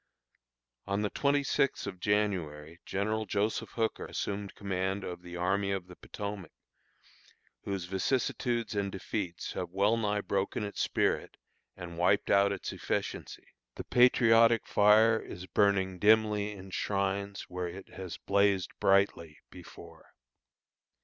On the twenty sixth of January, General Joseph Hooker assumed command of the Army of the Potomac, whose vicissitudes and defeats have well nigh broken its spirit and wiped out its efficiency. The patriotic fire is burning dimly in shrines where it has blazed brightly before.